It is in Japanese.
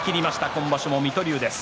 今場所も水戸龍です。